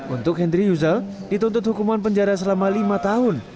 untuk henry yuzal dituntut hukuman penjara selama lima tahun